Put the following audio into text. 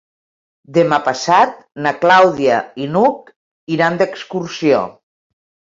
Demà passat na Clàudia i n'Hug iran d'excursió.